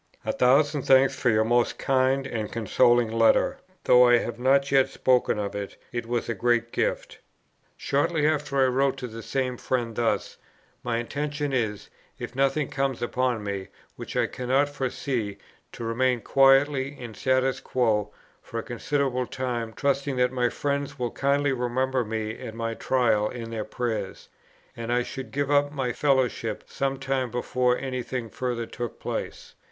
"A thousand thanks for your most kind and consoling letter; though I have not yet spoken of it, it was a great gift." Vide supr. p. 219, &c. Letter of Oct. 14, 1843, compared with that of Oct. 25. Shortly after I wrote to the same friend thus: "My intention is, if nothing comes upon me, which I cannot foresee, to remain quietly in statu quo for a considerable time, trusting that my friends will kindly remember me and my trial in their prayers. And I should give up my fellowship some time before any thing further took place."